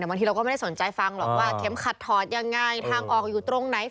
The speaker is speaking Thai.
บางทีเราก็ไม่ได้สนใจฟังหรอกว่าเข็มขัดถอดยังไงทางออกอยู่ตรงไหน